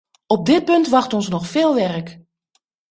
Op dit punt wacht ons nog veel werk!